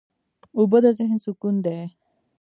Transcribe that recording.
اوبه د ذهن سکون دي.